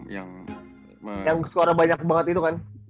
yang suara banyak banget itu kan